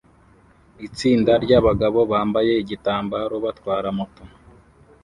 Itsinda ryabagabo bambaye igitambaro batwara moto